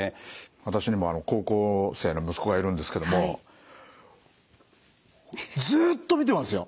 私にも高校生の息子がいるんですけどもずっと見てますよ！